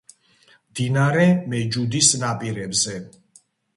მდინარე მეჯუდის ნაპირებზე.